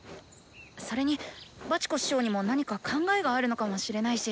それにバチコ師匠にも何か考えがあるのかもしれないし。